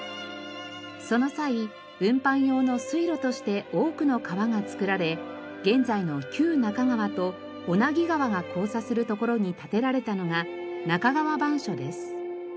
その際運搬用の水路として多くの川が作られ現在の旧中川と小名木川が交差する所に建てられたのが中川番所です。